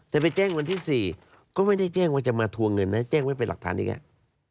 แต่ไปแจ้งวันที่๔ก็ไม่ได้แจ้งว่าจะมาทวงเงินนะแจ้งไว้เป็นหลักฐานอย่างนี้